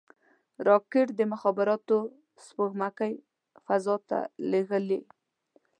راکټ د مخابراتو سپوږمکۍ فضا ته لیږي